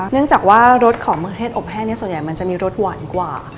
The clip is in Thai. เนื่องจากว่ารสของเมืองเทศอบแห้งส่วนใหญ่มันจะมีรสหวานกว่า